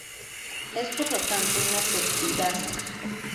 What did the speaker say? Es, por lo tanto, una peptidasa.